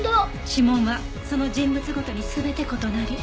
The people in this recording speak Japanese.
指紋はその人物ごとに全て異なり。